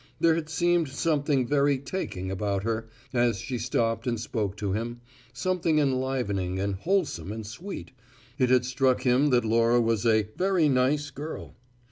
There had seemed something very "taking" about her, as she stopped and spoke to him, something enlivening and wholesome and sweet it had struck him that Laura was a "very nice girl."